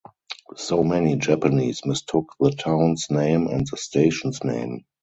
So many Japanese mistook the town's name and the station's name.